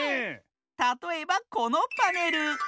たとえばこのパネル。